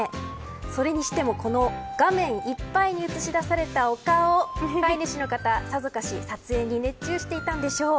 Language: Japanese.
それにしても、この画面いっぱいに映し出されたお顔飼い主の方、さぞかし撮影に熱中していたんでしょう。